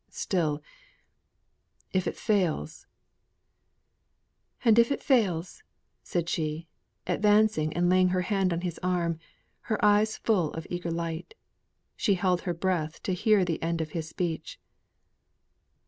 Still, if it fails " "And if it fails," said she, advancing, and laying her hand on his arm, her eyes full of eager light. She held her breath to hear the end of his speech.